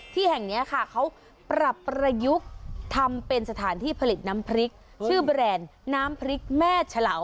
ที่แห่งนี้ค่ะเขาปรับประยุกต์ทำเป็นสถานที่ผลิตน้ำพริกชื่อแบรนด์น้ำพริกแม่เฉลา